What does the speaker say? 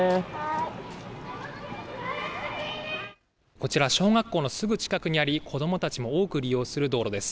こちら、小学校のすぐ近くにあり子どもたちも多く利用する道路です。